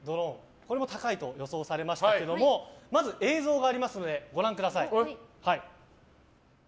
これも高いと予想されましたけどまず、映像がありますのでご覧ください。